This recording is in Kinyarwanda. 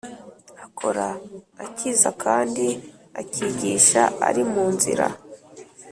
Akora Akiza kandi akigisha ari mu nzira